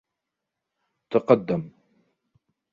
تَقَدَم.